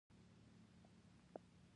تنور د بې وزله خوړو خزانه ده